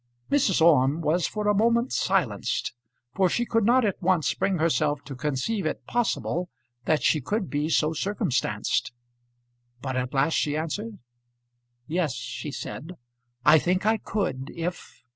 Mrs. Orme was for a moment silenced, for she could not at once bring herself to conceive it possible that she could be so circumstanced. But at last she answered. "Yes," she said, "I think I could, if